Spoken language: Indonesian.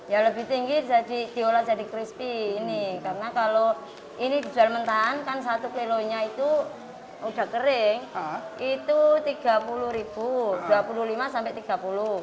ya lebih tinggi diolah jadi crispy ini karena kalau ini dijual mentahan kan satu kilonya itu udah kering itu rp tiga puluh rp dua puluh lima sampai rp tiga puluh